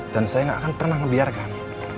dan saya gak akan pernah membiarkan